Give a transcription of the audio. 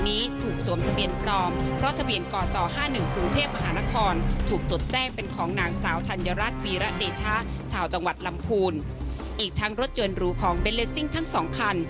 อีกทั้งรถยนต์หรูของเบนเลสซิ่งทั้งสองคัน